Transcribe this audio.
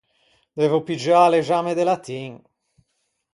Devo piggiâ l’examme de latin.